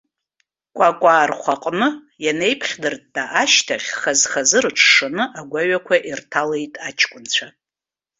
Кәакәаа рхәаҟны ианеиԥхьдыртта ашьҭахь, хаз-хазы рыҽшаны агәаҩақәа ирҭалеит аҷкәынцәа.